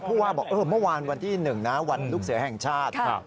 ว่าบอกเมื่อวานวันที่๑นะวันลูกเสือแห่งชาติ